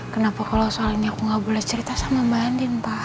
kenapa kalau soalnya aku gak boleh cerita sama mbak andin pak